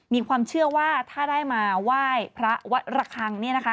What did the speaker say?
มีความเชื่อว่าถ้าได้มาว่ายพระวัดระคัง